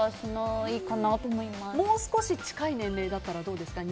もう少し近い年齢だったらどうですか？